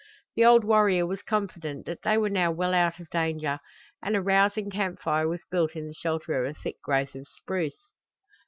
The old warrior was confident that they were now well out of danger and a rousing camp fire was built in the shelter of a thick growth of spruce.